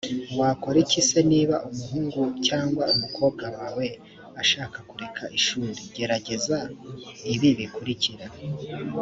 wakora iki se niba umuhungu cyangwa umukobwa wawe ashaka kureka ishuri gerageza ibi bikurikira